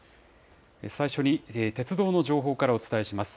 最初に鉄道の情報からお伝えします。